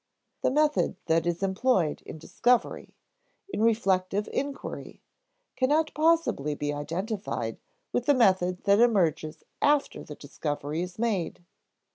(See p. 60.) The method that is employed in discovery, in reflective inquiry, cannot possibly be identified with the method that emerges after the discovery is made.